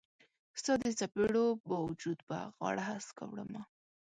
ستا د څیپړو با وجود به غاړه هسکه وړمه